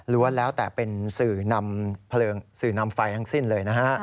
ล้วนแล้วแต่เป็นสื่อนำไฟทั้งสิ้นเลย